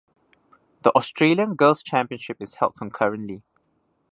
The Australian Girls Championship is held concurrently.